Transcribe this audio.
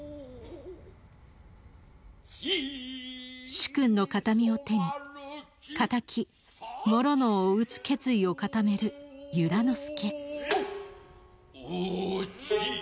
主君の形見を手に敵師直を討つ決意を固める由良之助。